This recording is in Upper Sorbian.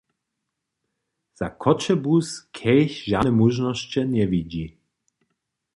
Za Choćebuz Kelch žane móžnosće njewidźi.